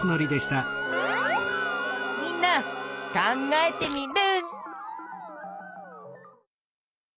みんな考えテミルン！